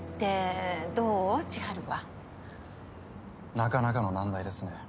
なかなかの難題ですね